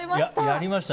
やりました。